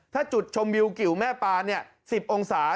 ถ้าจุดชมวิวกิวแม่ปาน๑๐องศา